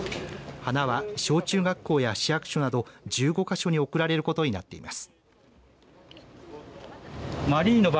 花は、小中学校や市役所など１５か所に贈られることになっています。